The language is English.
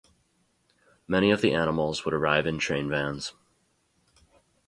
Many of the animals would arrive in train vans.